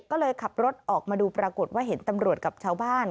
ก็เลยขับรถออกมาดูปรากฏว่าเห็นตำรวจกับชาวบ้าน